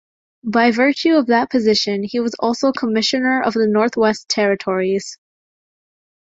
By virtue of that position he was also Commissioner of the Northwest Territories.